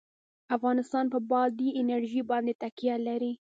افغانستان په بادي انرژي باندې تکیه لري.